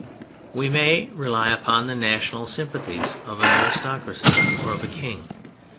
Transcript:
We may rely upon the national sym pathies of an aristocracy or of a king.